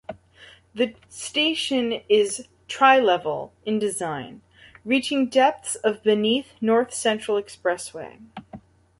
The station is tri-level in design, reaching depths of beneath North Central Expressway.